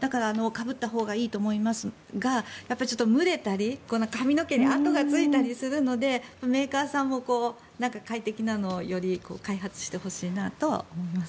だから、かぶったほうがいいと思いますが蒸れたり、髪の毛のあとがついたりするのでメーカーさんもより快適なのを開発してほしいなとは思います。